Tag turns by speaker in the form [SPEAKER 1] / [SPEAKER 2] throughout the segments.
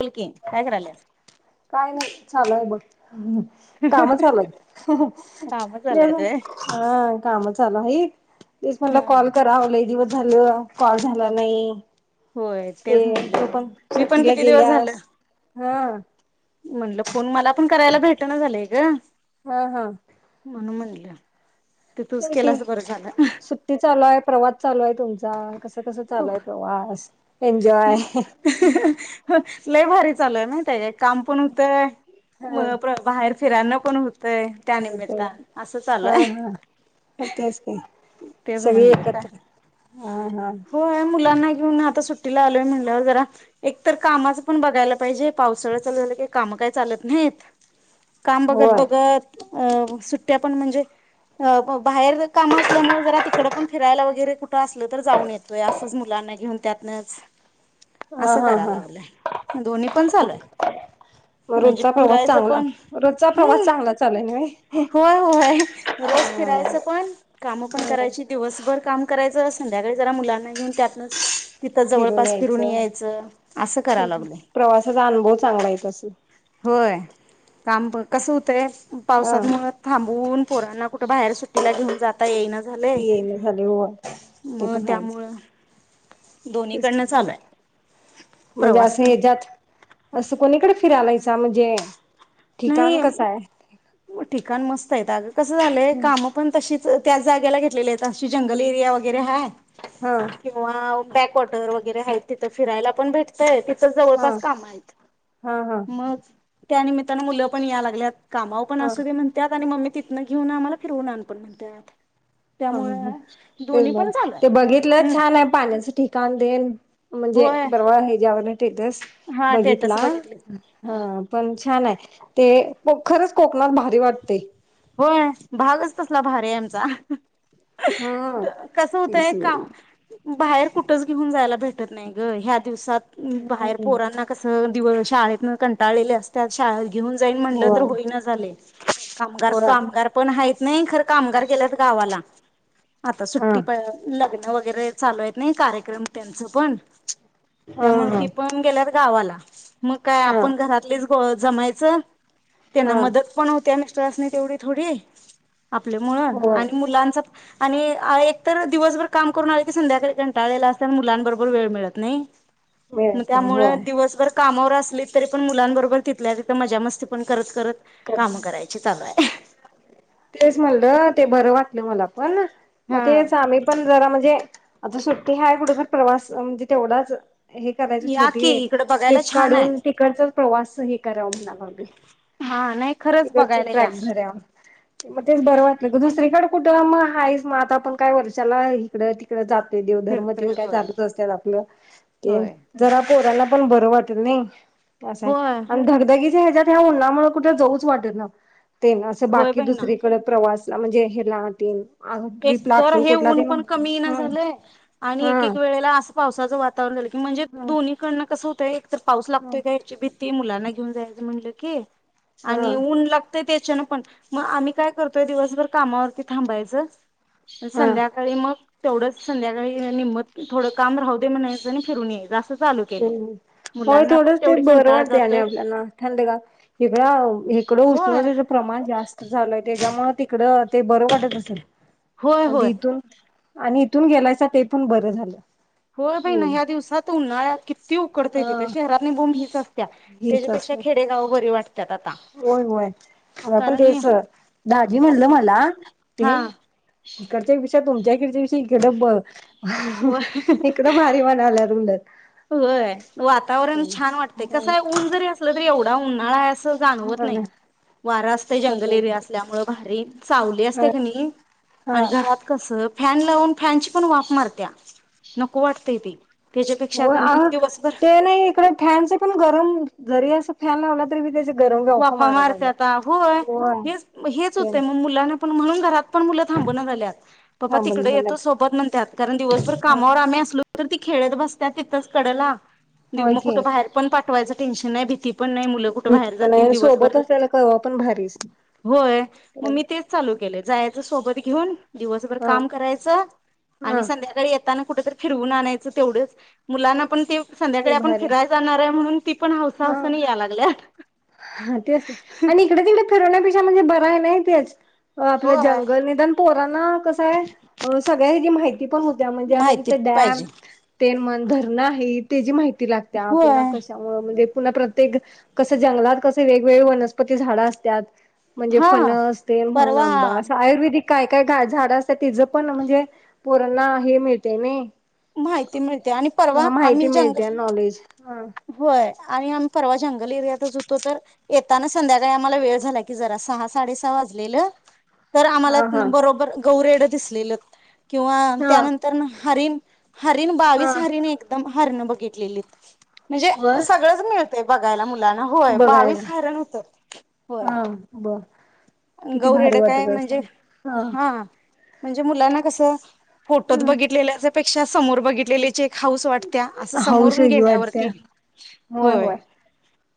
[SPEAKER 1] बोलकी काय करायलयस
[SPEAKER 2] काय नाही चालू आहे बघ काम चालुयात
[SPEAKER 1] काम चालूयत व्हय
[SPEAKER 2] हा काम चालू हाईत. तेच
[SPEAKER 1] हा
[SPEAKER 2] म्हणल कॉल करावं लय दिवस झालं या कॉल झाला नाही
[SPEAKER 1] होय तेच
[SPEAKER 2] ते
[SPEAKER 1] म्हटलं
[SPEAKER 2] ज पण
[SPEAKER 1] मी पण
[SPEAKER 2] सुट्टीला
[SPEAKER 1] किती दिवस
[SPEAKER 2] गेल्यास हा
[SPEAKER 1] म्हटलं फोन मला आपण करायला भेटना झालंय ग
[SPEAKER 2] हा हा
[SPEAKER 1] म्हणून म्हणल
[SPEAKER 2] [unintelligible] सुट्टी चालू आहे प्रवास चालू हाय तुमचा कस कसा
[SPEAKER 1] ओ
[SPEAKER 2] चालुहे प्रवास एन्जॉय
[SPEAKER 1] लई भारी चालू हाय माहिती हाय काय काम पण होतंय म ब्र बाहेर फीरांन पण होत
[SPEAKER 2] होतय हा हा म तेच ना
[SPEAKER 1] तेच
[SPEAKER 2] सगळे
[SPEAKER 1] म्हणलं काय
[SPEAKER 2] एकत्र हा हा
[SPEAKER 1] होय ह्या मुलांना घेऊन आता सुट्टी लावलय म्हणल्यावर जरा एकतर कामाच पण बघायला पाहिजे पावसाळा चालू झाला की काम काय चालत नाहीत काम बघत
[SPEAKER 2] होय
[SPEAKER 1] बघत अ सुट्ट्या पण म्हणजे अ बाहेर काम असल्यामुळे जरा तिकडं पण फिरायला वगैरे कुठं असलं तर जाऊन येत होय असंच मुलांना घेऊन त्यातनच
[SPEAKER 2] हा
[SPEAKER 1] असं
[SPEAKER 2] हा
[SPEAKER 1] करा
[SPEAKER 2] हा
[SPEAKER 1] लागलोय दोन्ही पण
[SPEAKER 2] मग मग
[SPEAKER 1] चालूये म्हणजे
[SPEAKER 2] रोजचा प्रवास
[SPEAKER 1] फिरायचं
[SPEAKER 2] चांगला
[SPEAKER 1] पण
[SPEAKER 2] रोजचा प्रवास
[SPEAKER 1] हूं
[SPEAKER 2] चांगला चालू नव्हे.
[SPEAKER 1] होय होय रोज फिरायचं पण काम पण
[SPEAKER 2] ह
[SPEAKER 1] करायची दिवसभर काम करायचं अस संध्याकाळी जरा मुलां आणि म्हणू त्यातनच तिथं
[SPEAKER 2] फिरून
[SPEAKER 1] जवळपास
[SPEAKER 2] यायचं
[SPEAKER 1] असं कराय लागलंय
[SPEAKER 2] प्रवासाचा अनुभव चांगला येत असण
[SPEAKER 1] होय काम पण कसं होतंय
[SPEAKER 2] हा
[SPEAKER 1] पावसात मुळं थांबून पोरांना कुठे बाहेर सुट्टीला घेऊन जात हा येई ना
[SPEAKER 2] येईना झाले हो ते
[SPEAKER 1] मग
[SPEAKER 2] पण आहेच
[SPEAKER 1] त्यामुळं
[SPEAKER 2] तेच
[SPEAKER 1] दोन्हीकडनं
[SPEAKER 2] म्ह
[SPEAKER 1] चालू आहे
[SPEAKER 2] म्हणजे
[SPEAKER 1] प्रवास
[SPEAKER 2] असं
[SPEAKER 1] पण
[SPEAKER 2] हेज्यात असं कोणीकडे फिरायलायसा म्हणजे ठिकाण कसं आहे.
[SPEAKER 1] नाही ठिकाण मस् वैताग कसं झालंय कामं पण तशीच त्याच जागेला घेतलेली आहेत अशी जंगल एरिया वगैरे हाय
[SPEAKER 2] हा
[SPEAKER 1] किंवा बॅकवॉटर वगैरे हायत तिथं फिरायला पण भेटतय तर
[SPEAKER 2] हा
[SPEAKER 1] जवळपास काम हाईत
[SPEAKER 2] हा हा
[SPEAKER 1] मग त्या निमित्त मुलं पण याय लागल्यात कामाव पण
[SPEAKER 2] हा
[SPEAKER 1] असू दे म्हणतात आणि मम्मी तिथनं घेऊन आम्हाला फिरवून आण पण म्हणत्यात
[SPEAKER 2] ह
[SPEAKER 1] त्यामुळे
[SPEAKER 2] तेच
[SPEAKER 1] दोन्ही
[SPEAKER 2] बर
[SPEAKER 1] पण चालू
[SPEAKER 2] ते
[SPEAKER 1] आहे.
[SPEAKER 2] बघितलं
[SPEAKER 1] हम्म
[SPEAKER 2] छान आहे पाण्याचं ठिकाण देन म्हणजे
[SPEAKER 1] होय
[SPEAKER 2] बरवाळा हेच्यावरण स्टेटस
[SPEAKER 1] हा
[SPEAKER 2] बघितला
[SPEAKER 1] स्टेटस बघितले.
[SPEAKER 2] ह पण छान आहे. ते खरंच कोकणात भारी वाटते
[SPEAKER 1] होय भागच तसला भारी आहे आमचा
[SPEAKER 2] हा
[SPEAKER 1] कस होतय काम बाहेर कुठच घेऊन जायला भेट नाही ग हयात दिवसात बाहेर
[SPEAKER 2] हम्म
[SPEAKER 1] पोरांना कसं ही मुलं शाळेतन कंटाळलेले असतात शाळे घेऊन जाईन म्हणलं तर
[SPEAKER 2] होय
[SPEAKER 1] होईना झाले कामगार
[SPEAKER 2] होय
[SPEAKER 1] कामगार पण हाईत नाही खरं कामगार गेल्यात गावाला आता
[SPEAKER 2] हा
[SPEAKER 1] सुट्टी प लागली वगैरे चालू आहेत नाही कार्यक्रम त्यांच पण
[SPEAKER 2] हा
[SPEAKER 1] त्यामुळ ती
[SPEAKER 2] हा
[SPEAKER 1] पण गेल्यात गावाला मग काय
[SPEAKER 2] हा
[SPEAKER 1] आपण घरातलीच गो जमाय चल त्यांना
[SPEAKER 2] हा
[SPEAKER 1] मदत पण होत्या मिस्टरासनी तेवढे थोडी आपले मुळ
[SPEAKER 2] होय
[SPEAKER 1] आणि मुलांच आणि एक तर दिवसभर काम करून आले की, संध्याकाळी कंटाळलेलं असता मुलांबरोबर वेळ मिळत नाही. मग
[SPEAKER 2] मिळत नाही
[SPEAKER 1] त्यामुळे
[SPEAKER 2] होय
[SPEAKER 1] दिवसभर कामावर अस असली तरी पण मुलांबरोबर तिथल्या तिथ मजा मस्ती पण करत करत काम
[SPEAKER 2] करते
[SPEAKER 1] करायचे चालू आहे
[SPEAKER 2] तेच म्हणलं ते बरं वाटलं मला हो ना मग
[SPEAKER 1] हा
[SPEAKER 2] तेच आम्ही पण जरा म्हण आता सुट्टी हाय कुठे प्रवास म्हणजे तेवढाच हे करायच
[SPEAKER 1] या की
[SPEAKER 2] छोटी
[SPEAKER 1] इकडं बघायला
[SPEAKER 2] ट्रिप
[SPEAKER 1] छान
[SPEAKER 2] काढून
[SPEAKER 1] आहे
[SPEAKER 2] तिकडचा प्रवास हे कराव म्हणायलो आम्ही,
[SPEAKER 1] हा नाही खरंच
[SPEAKER 2] तिकडच
[SPEAKER 1] बघायला
[SPEAKER 2] ट्रॅक
[SPEAKER 1] या
[SPEAKER 2] धराव मग तेच बरं वाटलं ग दुसरीकड कुठं म हायस म आता आपण काय वर्षाला इकडं तिकड जात ते देव धर्म
[SPEAKER 1] फिरतोय
[SPEAKER 2] तेन काय
[SPEAKER 1] होय
[SPEAKER 2] चालूच असतात आपलं ते
[SPEAKER 1] होय
[SPEAKER 2] जरा पोराला पण बरं वाटत नाही असं आहे
[SPEAKER 1] होय
[SPEAKER 2] आणि धगधगीच्या ह्याच्यात या उन्हामुळ कुठ जाऊच वाट ना ते असं
[SPEAKER 1] होय
[SPEAKER 2] बाकी
[SPEAKER 1] बाई ना
[SPEAKER 2] दुसर प्रवासला म्हणजे हेला आटीन
[SPEAKER 1] एक तर हे ऊन पण कमी ना झालंय आणि
[SPEAKER 2] हा
[SPEAKER 1] एक एक वेळेला अस पावसाचं वातावरण झालं म्हणजे
[SPEAKER 2] हा
[SPEAKER 1] दोन्ही कडन कसं होत ते एक तर पाऊस
[SPEAKER 2] हा
[SPEAKER 1] लागतोय का हयायाची भीती मुुलांना घेऊन जायचं म्हटलं की आणि
[SPEAKER 2] हा
[SPEAKER 1] ऊन लागतंय त्याच्यान पण मग आम्ही काय करतोय दिवसभर कामावरती थांबायचं
[SPEAKER 2] हा
[SPEAKER 1] संध्याकाळी मग तेवढंच संध्याकाळी निम थोडं काम राहू दे म्हणायचं फिरून ये जास्त
[SPEAKER 2] ह् होय थोडं ते बर
[SPEAKER 1] कंटाळा
[SPEAKER 2] वाटते आणि
[SPEAKER 1] जातोय
[SPEAKER 2] आपल्याला थडगार का इकड इकडं
[SPEAKER 1] होय
[SPEAKER 2] उष्णताचे प्रमाण जास्त झालंय त्याच्यामुळे तिकडं ते बरं वाटत असेल
[SPEAKER 1] होय
[SPEAKER 2] आणि
[SPEAKER 1] होय
[SPEAKER 2] इथून आणि तून गेलायसा ते पण बरं झालं.
[SPEAKER 1] हो बाई
[SPEAKER 2] मेन
[SPEAKER 1] नाय ह्या दिवसातून उनळ्यात किती उकडत तिेथ
[SPEAKER 2] हा
[SPEAKER 1] शहरातील बोम हि असेल
[SPEAKER 2] हेच
[SPEAKER 1] त्याच्यापेक्षा
[SPEAKER 2] असते
[SPEAKER 1] खेडेगाव बरी वाट
[SPEAKER 2] होय होय मला पण
[SPEAKER 1] कारण
[SPEAKER 2] तेच दाजी म्हणलं
[SPEAKER 1] वातावरण
[SPEAKER 2] मला ते
[SPEAKER 1] हा
[SPEAKER 2] इकडच्या पेक्षा तुमच्याकडे ह [unintelligible] इकडं ब इकडे भारी म्हणालेत उलट
[SPEAKER 1] होय वातावरण छान वाटत कसं आहे ऊन जरी असलं तरी एवढं उन्हाळा असं जाणवत नाही
[SPEAKER 2] हा
[SPEAKER 1] वार असत जंगल एरिया असल्यामुळे भारी सावली
[SPEAKER 2] हा
[SPEAKER 1] असते क नई आणि
[SPEAKER 2] हा
[SPEAKER 1] घरात कसं फॅन लावून फॅनची पण वार मारतीय नको वाटतेय ते त्याच्यापेक्षा
[SPEAKER 2] हो
[SPEAKER 1] कणी दिवसभर
[SPEAKER 2] ते नाही इकडे फॅन पण गरम जरी अस फॅन लावला तरी बी त्याची
[SPEAKER 1] वाफा मारत्याता होय हेच म हेच
[SPEAKER 2] ते
[SPEAKER 1] होतंय मग मुलांना पण म्हणून घरात पण मुलं थांबून झाल्यात पप्पा
[SPEAKER 2] थांबून
[SPEAKER 1] तिकड येतो
[SPEAKER 2] झाल्यात.
[SPEAKER 1] सोबत म्हणतात कारण दिवसभर कामावर आम्ही असलो तर ती खेळत बसत तिथच कडेला देव
[SPEAKER 2] होय
[SPEAKER 1] म कुठं
[SPEAKER 2] की
[SPEAKER 1] बाहेर पण पाठवायचं टेन्शन नाही भीती पण नाही मुलं कुठे
[SPEAKER 2] भीती
[SPEAKER 1] बाहेर
[SPEAKER 2] पण
[SPEAKER 1] जात [unintelligible]
[SPEAKER 2] आहे
[SPEAKER 1] दिवसभर
[SPEAKER 2] सोबत असलेला कवा पण भारीच.
[SPEAKER 1] होय मग मी तेच चालू जायच सोबत घेऊन, दिवसभर
[SPEAKER 2] हा
[SPEAKER 1] काम करायचं आणि
[SPEAKER 2] हा
[SPEAKER 1] संध्याकाळी येत त्यांना कुठेतरी फिरवून आणायचं तेवढंच मुलांना पण ते
[SPEAKER 2] ते
[SPEAKER 1] संध्याकाळी आपण
[SPEAKER 2] भारी
[SPEAKER 1] फिरायला जाणार आहे म्हणून, ती पण हौवस
[SPEAKER 2] हा.
[SPEAKER 1] हौसानी यायलागल्यात
[SPEAKER 2] हा तेच आणि इकडं तिकडं फिर [unintelligible] म्हणजे बर आहे नी तेच आपलं
[SPEAKER 1] होय
[SPEAKER 2] जंगल निदान पोरांना कसं आहे सगळ्या हीची माहिती ती पण होत्या म्हणजे आता
[SPEAKER 1] माहिती
[SPEAKER 2] तिथं डॅम
[SPEAKER 1] पाहिजे
[SPEAKER 2] ते मग धरणं आहेत त्याची माहिती [unintelligible] लागत्या पुन्हा
[SPEAKER 1] होय
[SPEAKER 2] कशामुळे म्हणजे पुन्हा प्रत्येक कसं जंगलात कसे वेगवेगळे वनस्पती झाडं असत्यात म्हणजे
[SPEAKER 1] हा
[SPEAKER 2] फणस ते म्हण
[SPEAKER 1] परवा
[SPEAKER 2] आंबा असं आयुर्वेदिक काय काय झाडं असत्यात तिचं पण म्हणजे पोरांना हे मिळतंय नाही
[SPEAKER 1] माहिती मिळते आणि परवा आम्ही
[SPEAKER 2] मिळते
[SPEAKER 1] जंगल
[SPEAKER 2] नॉलेज हा
[SPEAKER 1] होय आणि आम्ही परवा जंगल एरियातच होतो तर येताना संध्याकाळी आम्हाला वेळ झाला की जरा, सहा- साडे सहा वाजलेलं तर आम्हाला
[SPEAKER 2] हा हा
[SPEAKER 1] बरोबर गौरेड दिसलेलत किंवा
[SPEAKER 2] हा
[SPEAKER 1] त्यानंतर हरीण हरीण
[SPEAKER 2] हा
[SPEAKER 1] बावीस हरीण एकदम हरणं बघं घेतलेलीत म्हणजे
[SPEAKER 2] वर
[SPEAKER 1] सगळंच मिळत ते बघायला मुलाना होय बावीस
[SPEAKER 2] बघायला
[SPEAKER 1] हारण होत होय
[SPEAKER 2] हा ब किती भारी
[SPEAKER 1] गौरेड काय
[SPEAKER 2] वाटत
[SPEAKER 1] म्हणजे
[SPEAKER 2] असेल
[SPEAKER 1] हा म्हणजे मुलांना कसं फोटोच
[SPEAKER 2] ह
[SPEAKER 1] बघितलेले पेक्षा समोर बघितलेलेचे हाऊस वाटतिया अस
[SPEAKER 2] हौस
[SPEAKER 1] समोरून
[SPEAKER 2] वेगळी वाटत्या
[SPEAKER 1] गेल्यावरती होय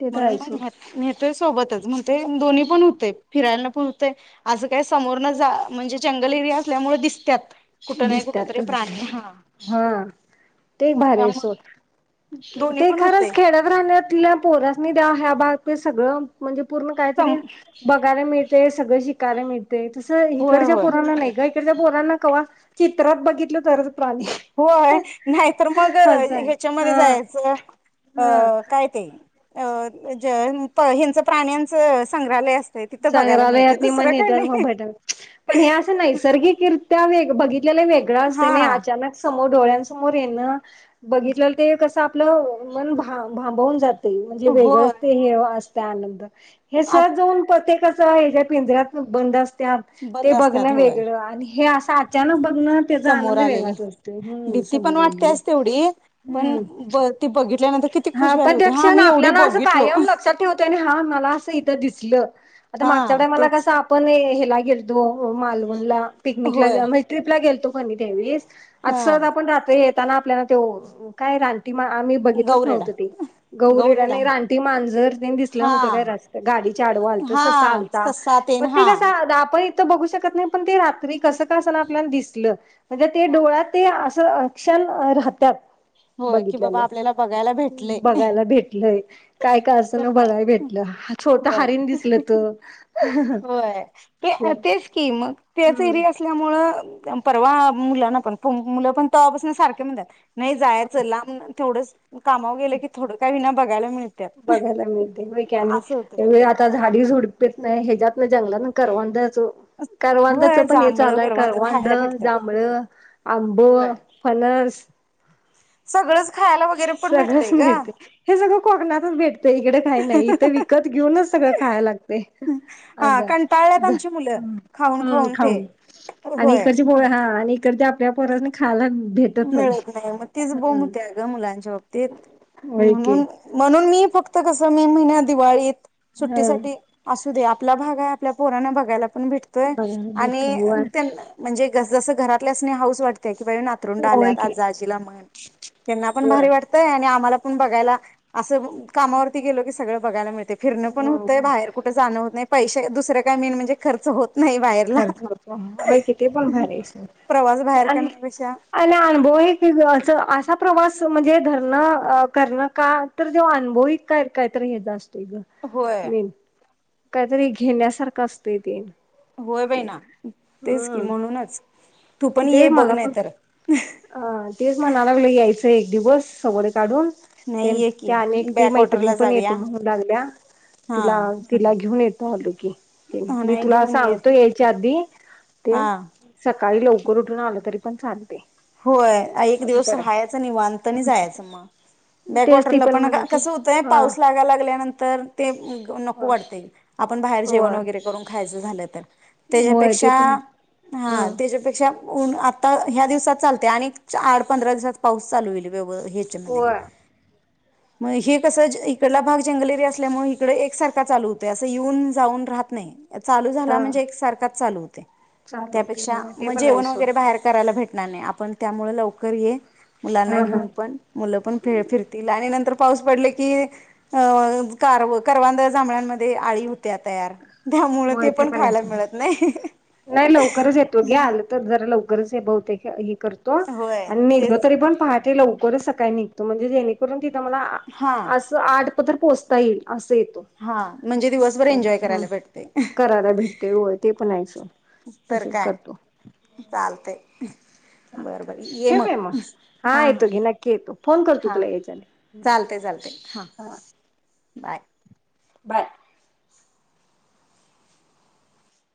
[SPEAKER 2] ते तर आहे
[SPEAKER 1] म्हणून
[SPEAKER 2] सोड
[SPEAKER 1] मग ते सोबतच म ते दोन्ही पण होते. फिरायला पुरतंय अस काय समोर न जा म्हणजे जंगल एरिया असल्यामुळे दिसत्यात कुठं नाही कुठ
[SPEAKER 2] दिसत्यात
[SPEAKER 1] तरी
[SPEAKER 2] ग
[SPEAKER 1] प्राणी हा
[SPEAKER 2] हा ते
[SPEAKER 1] त्यामुळे
[SPEAKER 2] भारीसोड
[SPEAKER 1] दोन्ही
[SPEAKER 2] ते
[SPEAKER 1] पण होते
[SPEAKER 2] खरंच खेड्यात राहण्यातल्या पोरासनी द्या हा भाग ते सगळं म्हणजे पूर्ण काय तरी
[SPEAKER 1] होय
[SPEAKER 2] बघायला मिळत. ते सगळ शिकायला मिळ ते तस इकडच्या
[SPEAKER 1] होय
[SPEAKER 2] पोरांना नाही ग इकडच्या पोरांना कवा चित्रात बघितल तरच प्राणी
[SPEAKER 1] होय नाही तर मग
[SPEAKER 2] असं आहे
[SPEAKER 1] ह्याच्यामध्ये
[SPEAKER 2] हा
[SPEAKER 1] जायचं
[SPEAKER 2] हा
[SPEAKER 1] अ काय ते अ ज हेनचं प्राण्यांचं संग्रहालय असत.
[SPEAKER 2] संग्रहालयात नि म् न्हेत्यात मग भेट पण हे असं नैसर्गिकरित्या वेग बघित ते लई वेगळं
[SPEAKER 1] हा
[SPEAKER 2] असतंय अचानक समोर डोळ्यांसमोर येण बघितलेलं ते कस आपलं मन भांबवून जातय. ते म्हंजे
[SPEAKER 1] होय
[SPEAKER 2] वेगळंच ते हे अस. त्या आनंद हे
[SPEAKER 1] आत
[SPEAKER 2] सहज जाऊन प्रत्येकाचं हे जे पिंऱ्यात बंद असत त्या ते
[SPEAKER 1] बंद असतात
[SPEAKER 2] बघणं
[SPEAKER 1] होय
[SPEAKER 2] वेगळं आणि हे असं अचानक बघणं त्याचा
[SPEAKER 1] समोर
[SPEAKER 2] आनंद
[SPEAKER 1] आलेले
[SPEAKER 2] वेगळाच असतो हम्
[SPEAKER 1] भीती पण
[SPEAKER 2] समोरली
[SPEAKER 1] वाटतेच तेवढी पण
[SPEAKER 2] हम्म
[SPEAKER 1] ब ती बघितल्यानंतर किती
[SPEAKER 2] हा
[SPEAKER 1] खुश व्हायला
[SPEAKER 2] पण ते
[SPEAKER 1] होते हा
[SPEAKER 2] क्षण
[SPEAKER 1] मी एवढी
[SPEAKER 2] आपल्याला अस
[SPEAKER 1] बघितलो
[SPEAKER 2] कायम लक्षात ठेवत हा मला अस इथ दिसलं आता
[SPEAKER 1] हा
[SPEAKER 2] मागच्याला कस
[SPEAKER 1] तेच
[SPEAKER 2] आपण हे हेला गेलतो. हो मालवण ला पिकनिकला
[SPEAKER 1] होय
[SPEAKER 2] गेल म्हे ट्रपला गेलतो. पणी द्यावीस आज
[SPEAKER 1] हा
[SPEAKER 2] सहज आपण राहतोय हे दिसताना तो आपल्याला काय रानटी मा आम्ही दिसलाच
[SPEAKER 1] गौरेडा
[SPEAKER 2] नव्हतं ते गवू रेडा
[SPEAKER 1] गौरेडा
[SPEAKER 2] नाही रानटी मांजर तेंन दिसलं
[SPEAKER 1] हा
[SPEAKER 2] नव्हतं काय गाडीच्या आडव आलता
[SPEAKER 1] हा
[SPEAKER 2] ससा आलता
[SPEAKER 1] ससा तेन
[SPEAKER 2] मग ते
[SPEAKER 1] हा
[SPEAKER 2] कस आपण हीत फक्त बघू शकत नाही पण ते रात्री कसं का आस ना आपल्याला दिसलं म्हणजे ते
[SPEAKER 1] हा
[SPEAKER 2] डोळ्यात ते आस त क्षण राहत्यात.
[SPEAKER 1] होय की बाबा
[SPEAKER 2] बघितल्यालं.
[SPEAKER 1] आपल्याला बघ बघायला भेटले,
[SPEAKER 2] बघायला भेटलंय काय काय असं ना
[SPEAKER 1] तर
[SPEAKER 2] बघायला
[SPEAKER 1] काय
[SPEAKER 2] भेटलं छोटं
[SPEAKER 1] व्हय
[SPEAKER 2] हरीण दिसलं तर
[SPEAKER 1] व्हय तेच ते की मग तेच
[SPEAKER 2] हम्म
[SPEAKER 1] एरिया असल्यामुळं परवा मुलांना पण मुलं पण तवापासून सारखे म्हणतात नाही जाया चला म्हणलं तेवढंच कामावर गेले की थोडं का होईना बघायला मिळ
[SPEAKER 2] बघायला मिळते. होय की आणि एवढी आता झाडी झुडपे नाही हेच्यात ते जंगलान करवंदाचं,
[SPEAKER 1] होय
[SPEAKER 2] करवंदाचं पण हे चालू
[SPEAKER 1] जांभळं
[SPEAKER 2] हाय.
[SPEAKER 1] करवंद
[SPEAKER 2] करवांद,
[SPEAKER 1] खायला भेटतात.
[SPEAKER 2] जांभळ, आंब,
[SPEAKER 1] होय.
[SPEAKER 2] फणस
[SPEAKER 1] सगळंच खायला वगैरे पण
[SPEAKER 2] सगळंच
[SPEAKER 1] भेटतंय ग.
[SPEAKER 2] मिळतंय हे सगळं कोकणातच भेटतंय इकड काय नाही. इथं विकत घेऊनच सगळं खाय लागते.
[SPEAKER 1] हा
[SPEAKER 2] असं हाय
[SPEAKER 1] कंटाळल्यात
[SPEAKER 2] जा
[SPEAKER 1] आमची मुलं खाऊन
[SPEAKER 2] हुं
[SPEAKER 1] ते
[SPEAKER 2] खाऊन आणि
[SPEAKER 1] होय.
[SPEAKER 2] इकडची पोरं हा आणि इकडच्या त्या पोरांसनी खायला
[SPEAKER 1] मिळत नाही, मग तीच
[SPEAKER 2] हा
[SPEAKER 1] बोम हुत्या. ग मुलांच्या बाबतीत
[SPEAKER 2] होय की
[SPEAKER 1] म्हणून मन पण मी फक्त कसं मे महिन्यात दिवाळीत
[SPEAKER 2] हा
[SPEAKER 1] सुट्टीसाठी असू द्या आपला भाग आहे आपल्या पोरांना बघायला भेटतोय
[SPEAKER 2] बघायला भेटते
[SPEAKER 1] आणि
[SPEAKER 2] होय.
[SPEAKER 1] त्यानं म्हणजे जस जसं घरात यासनी हाऊस वाटते ही बाई न पतरूंड
[SPEAKER 2] होय
[SPEAKER 1] आल्यात
[SPEAKER 2] की
[SPEAKER 1] आता आजीला मान. त्यांना पण
[SPEAKER 2] होय.
[SPEAKER 1] भारी वाटतंय आणि आम्हाला बघायला असं कामावरती गेलो की सगळं बघायला मिळत ते फिरण पण होतंय बाहेर कुठ जाणं होत नाही. पैशे दुसर काय मेन म्हणजे खर्च होत नाही बाहेरला
[SPEAKER 2] करत होतो होय कि ते पण भारी आहे
[SPEAKER 1] प्रवास बाहेर करण्यापेक्षा
[SPEAKER 2] [inaudible] अ अनुभव आहे की ग असा प्रवास म्हणजे धरण अ करण का तर जेव्हा अनुभव ही काहीतरी हेज अस ते ग
[SPEAKER 1] होय
[SPEAKER 2] मेन काहीतरी घेण्यासारखं असतंय ते.
[SPEAKER 1] होय बाई ना तेच की
[SPEAKER 2] हम्म
[SPEAKER 1] म्हणूनच तू पण ये
[SPEAKER 2] तेच
[SPEAKER 1] बघ
[SPEAKER 2] मला
[SPEAKER 1] नाही
[SPEAKER 2] पण
[SPEAKER 1] तर.
[SPEAKER 2] अ तेच म्हणायला लागलोय यायचं ते एक दिवस सवड काढून
[SPEAKER 1] नाही ये की
[SPEAKER 2] त्या आणि एकटी मैत्रीण
[SPEAKER 1] बॅकवॉटरला
[SPEAKER 2] पण
[SPEAKER 1] जाऊया
[SPEAKER 2] येतो म्हणू लागल्या
[SPEAKER 1] हा
[SPEAKER 2] तिला, तिला घेऊन येत झालं की.
[SPEAKER 1] हा
[SPEAKER 2] मी
[SPEAKER 1] नाही
[SPEAKER 2] तुला
[SPEAKER 1] घेऊन ये
[SPEAKER 2] सांगतो यायच्या आधी
[SPEAKER 1] हा
[SPEAKER 2] तेन स सकाळी लवकर उठून आलं तरी पण चालतय
[SPEAKER 1] होय एक दिवस राहायचं निवांत नाही जायचं मग
[SPEAKER 2] तेच ती
[SPEAKER 1] बॅकवॉटरला पण
[SPEAKER 2] म्हणालती
[SPEAKER 1] कसं होतंय
[SPEAKER 2] हा
[SPEAKER 1] पाऊस लागायला लागल्यानंतर ते नको
[SPEAKER 2] हा
[SPEAKER 1] वाटतयं जेवण
[SPEAKER 2] होय
[SPEAKER 1] वैगेरे करून खायचं झालं तर
[SPEAKER 2] होय ते
[SPEAKER 1] तेच्यापेक्षा
[SPEAKER 2] पण हम्म
[SPEAKER 1] हा तेच्यापेक्षा ऊन आता ह्या दिवसात चालतंय आणि एक चा आठ पंधरा दिवसात पाऊसचालू होईल ग व
[SPEAKER 2] होय
[SPEAKER 1] [unintelligible] मग हे कसं इकडला भाग जंगल एरिया असल्यामुळे इकड एकसारखा चालू होतोय असं येऊन जाऊन राहत नाही चालू झाला
[SPEAKER 2] हा
[SPEAKER 1] म्हणजे एक सारखाच चालू होतोय.
[SPEAKER 2] चालू होते
[SPEAKER 1] त्यापेक्षा
[SPEAKER 2] होय ते
[SPEAKER 1] मग
[SPEAKER 2] पण आहे
[SPEAKER 1] जेवण
[SPEAKER 2] सोड
[SPEAKER 1] वगैरे बाहेर करायला भेट नाही नाही आप पण त्यामुळे लवकर ये मुलांना
[SPEAKER 2] हा हा
[SPEAKER 1] घेऊन पण मुलं पण फ- फिरतील आणि नंतर पाऊस पडले की अ कार करवांद, जांभळांमध्ये आळी त्या तयार त्यामुळे ते
[SPEAKER 2] होय
[SPEAKER 1] पण
[SPEAKER 2] आहे
[SPEAKER 1] खायला
[SPEAKER 2] सोड
[SPEAKER 1] मिळत नाही
[SPEAKER 2] गरजे बहुतेक [unintelligible] करतो
[SPEAKER 1] होय
[SPEAKER 2] आणि निघलो
[SPEAKER 1] तेच
[SPEAKER 2] तरी पण पहाटे लव सकाळी निघतो म्हणजे जेणेकरून ती [unintelligible]
[SPEAKER 1] हा
[SPEAKER 2] अस आठ पतूर पोचता येईल
[SPEAKER 1] हा म्हणजे दिवसभर एन्जॉय
[SPEAKER 2] हं
[SPEAKER 1] करायला भेटते
[SPEAKER 2] कराला भेटते होय ते पण आहे सोड.
[SPEAKER 1] तर
[SPEAKER 2] तसच
[SPEAKER 1] काय?
[SPEAKER 2] करतो
[SPEAKER 1] चालतयं बरं बर ये
[SPEAKER 2] ठेव
[SPEAKER 1] मग
[SPEAKER 2] काय
[SPEAKER 1] हा हा
[SPEAKER 2] येतो घे नक्की येतो फोन करतो
[SPEAKER 1] हा
[SPEAKER 2] तुला यायच्या आधी
[SPEAKER 1] चालतयं चालतयं हा बाय
[SPEAKER 2] बाय